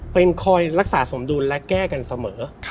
เป็นคอยรักษาสมดุลและแก้กันเสมอ